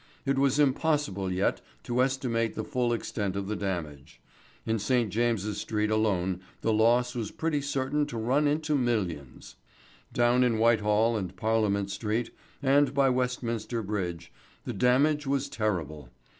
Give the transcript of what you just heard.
It was impossible yet to estimate the full extent of the damage. In St. James's Street alone the loss was pretty certain to run into millions. Down in Whitehall and Parliament Street, and by Westminster Bridge, the damage was terrible.